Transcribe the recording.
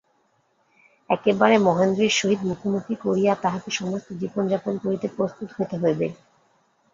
একেবারে মহেন্দ্রের সহিত মুখোমুখি করিয়া তাহাকে সমস্ত জীবন যাপন করিতে প্রস্তুত হইতে হইবে।